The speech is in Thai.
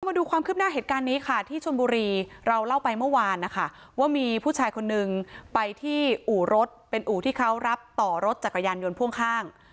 มาดูความคืบหน้าเหตุการณ์นี้ค่ะที่ชนบุรีเราเล่าไปเมื่อวานนะคะว่ามีผู้ชายคนนึงไปที่อู่รถเป็นอู่ที่เขารับต่อรถจักรยานยนต์พ่วงข้าง